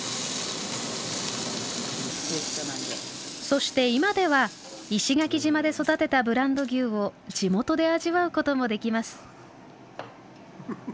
そして今では石垣島で育てたブランド牛を地元で味わうこともできます。